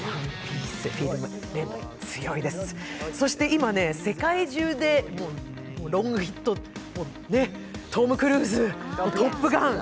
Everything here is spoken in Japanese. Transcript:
今、世界中でロングヒットのトム・クルーズの「トップガン」。